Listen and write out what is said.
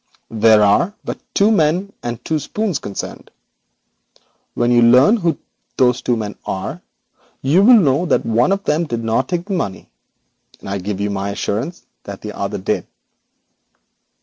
There are but two men and two spoons concerned. When you learn who those two men are, you will know that one of them did not take the money, and I give you my assurance that the other did.'